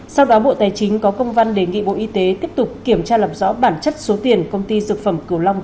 sau đó bộ tài chính có công văn đề nghị bộ y tế tiếp tục kiểm tra làm rõ bản chất số tiền công ty dược phẩm cửu long